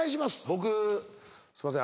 僕すいません